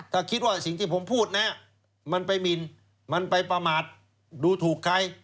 ถ้าคิดว่าสิ่งที่ผมพูดนะมันไปหมินมันไปประมาทดูถูกใคร